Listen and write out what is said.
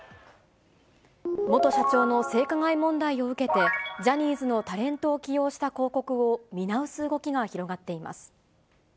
元社長の性加害問題を受けて、ジャニーズのタレントを起用した広告を見直す動きが広がっています。